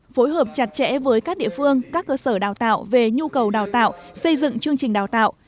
phối hợp chặt chẽ với các địa phương các cơ sở đào tạo về nhu cầu đào tạo xây dựng chương trình đào tạo